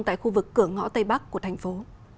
tại khu vực cửa ngõ tây bắc của thành phố